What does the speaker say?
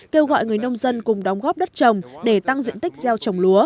kêu gọi người nông dân cùng đóng góp đất trồng để tăng diện tích gieo trồng lúa